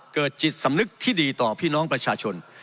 เกิดจิตสำนึกที่ดีต่อพี่น้องประชาชน